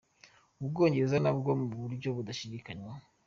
U Bwongereza, nabwo mu buryo budashidikanywa.